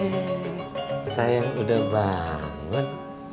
eh sayang udah bangun